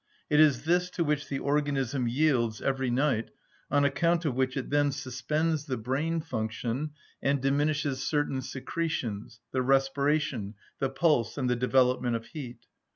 It is this to which the organism yields every night, on account of which it then suspends the brain function and diminishes certain secretions, the respiration, the pulse, and the development of heat.